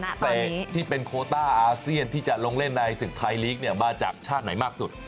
เตะที่เป็นโคต้าอาเซียนที่จะลงเล่นในศึกไทยลีกเนี่ยมาจากชาติไหนมากสุด